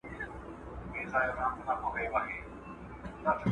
علم په پښتو خپرېږي.